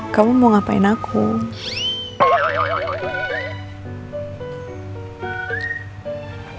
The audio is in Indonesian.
kamu mau ngapain aku